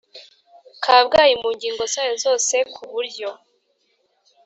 Kabgayi mu ngingo zayo zose ku buryo